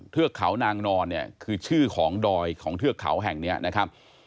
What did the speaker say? เทือกเขานางนอนเนี่ยคือชื่อของดอยของเทือกเขาแห่งนี้นะครับ